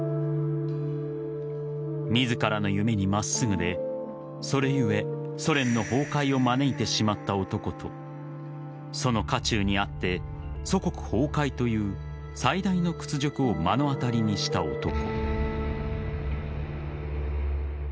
自らの夢に真っすぐでそれ故、ソ連の崩壊を招いてしまった男とその渦中にあって祖国崩壊という最大の屈辱を目の当たりにした男。